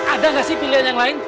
ada nggak sih pilihan yang lain